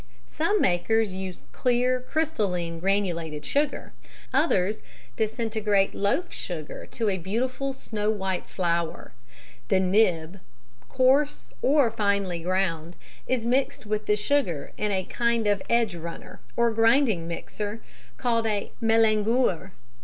_ Some makers use clear crystalline granulated sugar, others disintegrate loaf sugar to a beautiful snow white flour. The nib, coarse or finely ground, is mixed with the sugar in a kind of edge runner or grinding mixer, called a mélangeur.